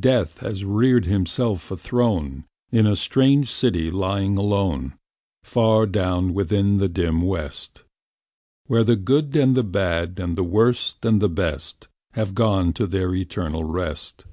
Death has reared himself a throne In a strange city lying alone Far down within the dim West, Where the good and the bad and the worst and the best Have gone to their eternal rest.